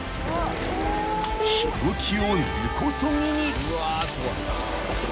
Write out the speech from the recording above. ［ヒノキを根こそぎに］